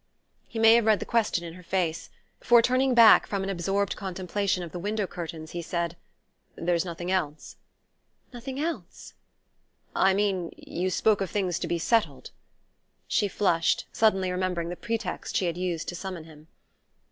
He may have read the question in her face, for turning back from an absorbed contemplation of the window curtains he said: "There's nothing else?" "Nothing else?" "I mean: you spoke of things to be settled " She flushed, suddenly remembering the pretext she had used to summon him.